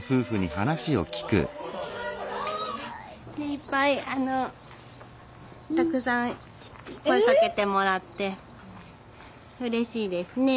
いっぱいたくさん声かけてもらってうれしいですね。